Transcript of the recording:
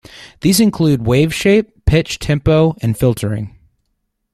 These include wave shape, pitch, tempo, and filtering.